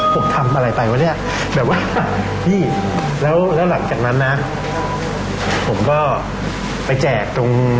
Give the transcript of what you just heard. ผมทำอะไรไปวะเนี่ยแบบว่าพี่แล้วแล้วหลังจากนั้นนะผมก็ไปแจกตรง